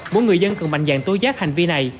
mỗi người dân cần mạnh dạng tố giác hành vi này